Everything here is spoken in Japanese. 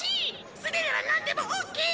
素手ならなんでもオッケー！